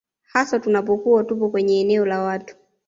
hasa tunapokuwa tupo kwenye eneo la watu